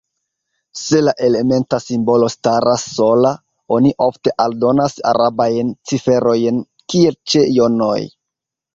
Se la elementa simbolo staras sola, oni ofte aldonas arabajn ciferojn kiel ĉe jonoj.